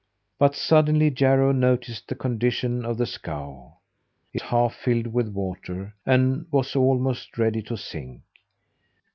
But suddenly Jarro noticed the condition of the scow. It was half filled with water, and was almost ready to sink.